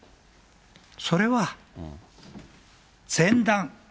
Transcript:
それは前段。